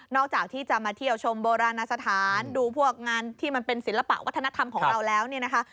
จากที่จะมาเที่ยวชมโบราณสถานดูพวกงานที่มันเป็นศิลปะวัฒนธรรมของเราแล้วเนี่ยนะคะ